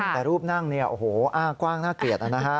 แต่รูปนั่งกว้างน่าเกลียด